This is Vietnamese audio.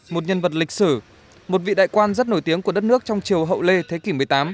một nhân vật lịch sử một vị đại quan rất nổi tiếng của đất nước trong chiều hậu lê thế kỷ một mươi tám